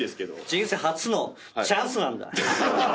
人生初のチャンスなんだ。